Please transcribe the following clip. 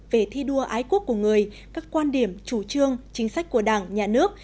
về thi đua ái quốc của người các quan điểm chủ trương chính sách của đảng nhà nước